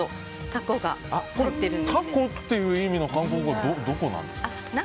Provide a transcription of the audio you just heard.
タコという意味の韓国語はどこなんですか？